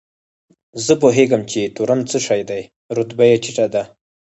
زه پوهېږم چې تورن څه شی دی، رتبه یې ټیټه ده.